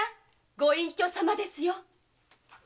御隠居様ですよ。